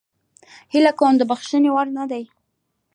هیله کوم د بخښنې وړ نه ده.